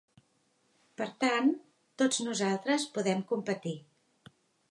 Per tant, tots nosaltres podem competir.